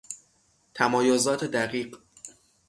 تمایزات دقیق